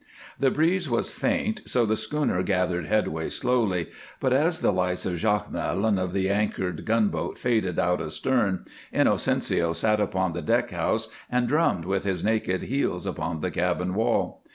The breeze was faint, so the schooner gathered headway slowly, but as the lights of Jacmel and of the anchored gunboat faded out astern Inocencio sat upon the deck house and drummed with his naked heels upon the cabin wall.